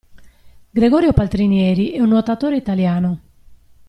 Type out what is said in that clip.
Gregorio Paltrinieri è un nuotatore italiano.